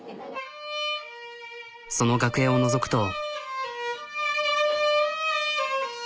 その楽屋をのぞくと。